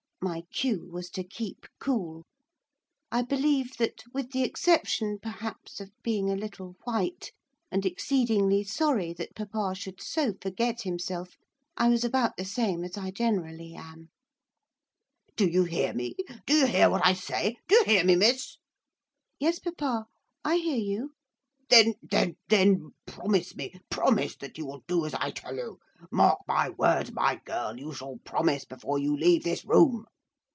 My cue was to keep cool. I believe that, with the exception, perhaps, of being a little white, and exceedingly sorry that papa should so forget himself, I was about the same as I generally am. 'Do you hear me? do you hear what I say? do you hear me, miss?' 'Yes, papa; I hear you.' 'Then then then promise me! promise that you will do as I tell you! mark my words, my girl, you shall promise before you leave this room!